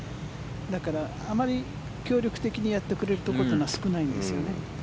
だからあまり協力的にやってくれるところは少ないんですよね。